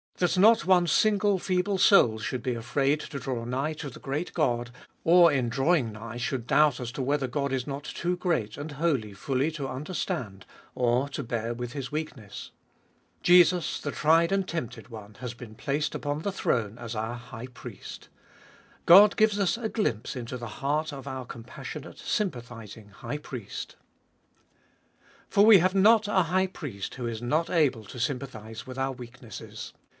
That not one single feeble soul should be afraid to draw nigh to the great God, or in drawing nigh should doubt as to whether God is not too great and holy fully to understand, or to bear with his weakness. Jesus, the tried and tempted One, has been placed upon the throne as our High Priest. God gives us a glimpse into the heart of our compassionate, sympathising High Priest ! 1 Who is not able to sympathise with. z Weaknesses. las ct>e fjoliest ot Bll For we have not a high priest who is not able to sympathise with our weaknesses.